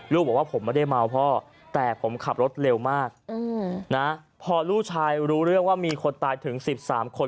บอกว่าผมไม่ได้เมาพ่อแต่ผมขับรถเร็วมากนะพอลูกชายรู้เรื่องว่ามีคนตายถึง๑๓คน